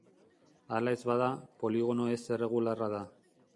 Hala ez bada, poligono ez erregularra da.